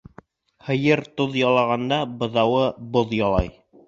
Һыйыр тоҙ ялағанда, быҙауы боҙ ялай.